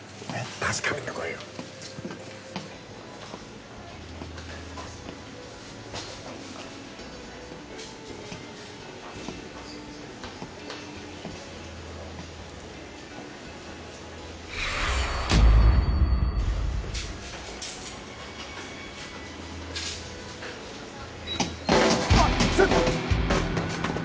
確かめてこいよあッちょっと！